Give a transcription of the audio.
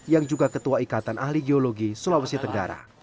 yang juga ketua ikatan ahli geologi sulawesi tenggara